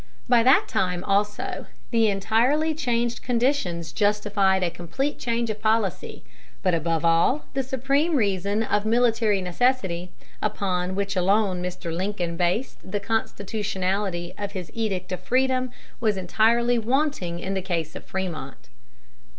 By that time, also, the entirely changed conditions justified a complete change of policy; but, above all, the supreme reason of military necessity, upon which alone Mr. Lincoln based the constitutionality of his edict of freedom, was entirely wanting in the case of Frémont.